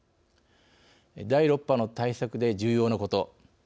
第６波の対策で重要なこと。